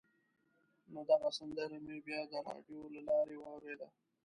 نو دغه سندره مې بیا د راډیو له لارې واورېده.